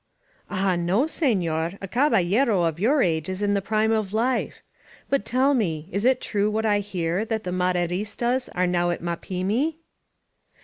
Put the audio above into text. ^Ah, noy scnor. A embalUro of jour age is in the prime of life. But tdl me. Is it true what I hear, that the Maderistas are now at Ifaplmi?